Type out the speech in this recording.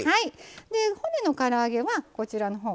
骨のから揚げはこちらのほう。